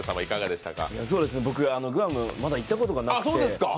僕、グアム、まだ行ったことがなくて。